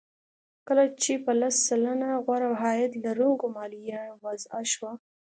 کله چې په لس سلنه غوره عاید لرونکو مالیه وضع شوه